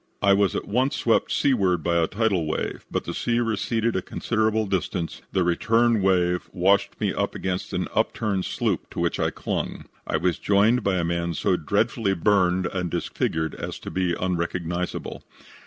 I was at once swept seaward by a tidal wave, but, the sea receding a considerable distance, the return wave washed me against an upturned sloop to which I clung. I was joined by a man so dreadfully burned and disfigured as to be unrecognizable.